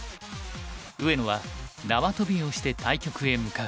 上野は縄跳びをして対局へ向かう。